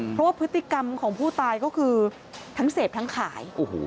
เพราะว่าพฤติกรรมของผู้ตายก็คือทั้งเสพทั้งขาย